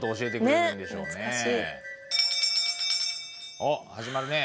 おっ始まるね。